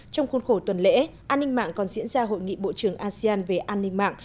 trong khuôn khổ tuần lễ an ninh mạng còn diễn ra hội nghị bộ trưởng asean về an ninh mạng